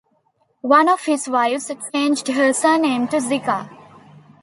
One of his wives changed her surname to Zica.